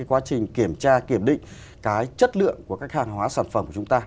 quá trình kiểm tra kiểm định cái chất lượng của các hàng hóa sản phẩm của chúng ta